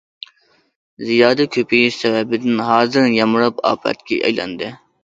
زىيادە كۆپىيىش سەۋەبىدىن ھازىر يامراپ ئاپەتكە ئايلاندى.